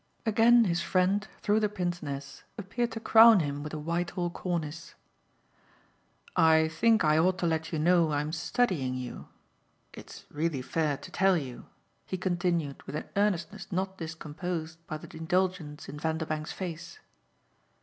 Again his friend, through the pince nez, appeared to crown him with a Whitehall cornice. "I think I ought to let you know I'm studying you. It's really fair to tell you," he continued with an earnestness not discomposed by the indulgence in Vanderbank's face.